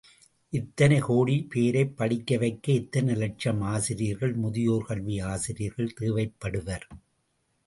இத்தனைக் கோடிப் பேரைப் படிக்க வைக்க எத்தனை இலட்சம் ஆசிரியர்கள், முதியோர் கல்வி ஆசிரியர்கள் தேவைப்படுவர்.